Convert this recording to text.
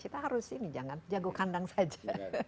kita harus ini jangan jago kandang saja